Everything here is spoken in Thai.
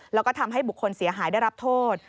แล้วก็ทำให้บุคคลเสียหายได้รับโทษ